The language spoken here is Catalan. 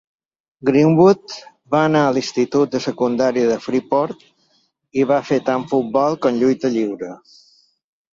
Greenwood va anar a l'institut de secundària de Freeport i va fer tant futbol com lluita lliure.